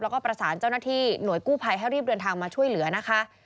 แล้วก็ประสานเจ้าหน้าที่หน่วยกู้ภัยให้รีบเดินทางมาช่วยเหลือนะคะ